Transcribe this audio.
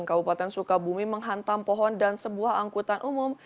kabupaten sukabumi menghantam pohon dan sebuah angkutan umum